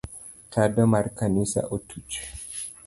Tado mar kanisa otuch.